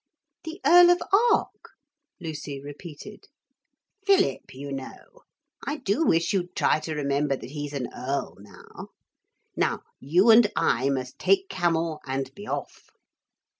'The Earl of Ark?' Lucy repeated. 'Philip, you know. I do wish you'd try to remember that he's an earl now. Now you and I must take camel and be off.'